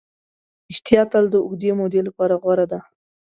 ریښتیا تل د اوږدې مودې لپاره غوره ده.